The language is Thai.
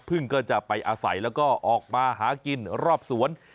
ก็จะไปอาศัยแล้วก็ออกมาหากินรอบสวน